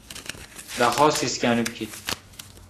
Daho seskanib ketdi.